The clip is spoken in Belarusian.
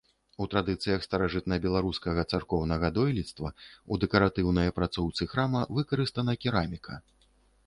У традыцыях старажытнабеларускага царкоўнага дойлідства ў дэкаратыўнай апрацоўцы храма выкарыстана кераміка.